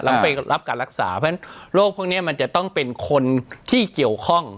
แล้วไปรับการรักษาเพราะฉะนั้นโรคพวกนี้มันจะต้องเป็นคนที่เกี่ยวข้อง